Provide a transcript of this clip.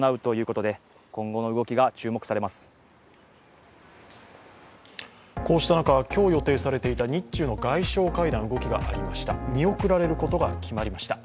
こうした中、今日予定されていた日中の外相会談、動きがありました